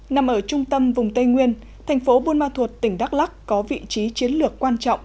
nằm ở trung tâm vùng tây nguyên thành phố buôn ma thuột tỉnh đắk lắc có vị trí chiến lược quan trọng